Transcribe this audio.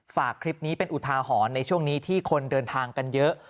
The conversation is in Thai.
ฝากคลิปนี้เป็นอุทาหรณ์ในช่วงนี้ที่คนเดินทางกันเยอะ